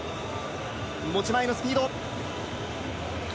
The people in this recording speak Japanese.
持ち前のスピード。